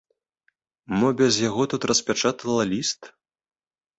Мо без яго тут распячатала ліст?